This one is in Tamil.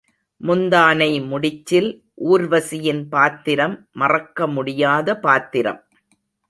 முந்தானை முடிச்சில் ஊர்வசியின் பாத்திரம் மறக்க முடியாத பாத்திரம்.